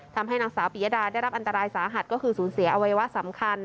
ทำให้นางสาวปียดาได้รับอันตรายสาหัสก็คือสูญเสียอวัยวะสำคัญ